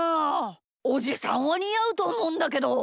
おじさんはにあうとおもうんだけど。